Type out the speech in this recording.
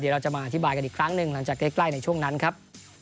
เดี๋ยวเราจะมาอธิบายกันอีกครั้งหนึ่งหลังจากใกล้ในช่วงนั้นครับ